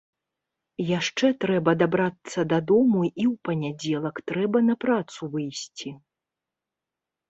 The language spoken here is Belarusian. Яшчэ трэба дабрацца да дому і ў панядзелак трэба на працу выйсці.